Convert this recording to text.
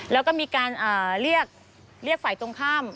แล้วก็มีการเรียกฝ่ายตรงข้าม